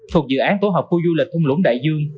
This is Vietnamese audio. thuộc dự án tổ hợp khu du lịch thung lũng đại dương